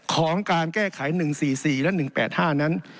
ของการแก้ไข๑๔๔และ๑๘๕นั้น